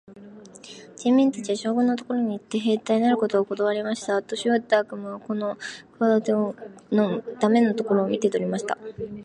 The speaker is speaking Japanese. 人民たちは、将軍のところへ行って、兵隊になることをことわりました。年よった悪魔はこの企ての駄目なことを見て取りました。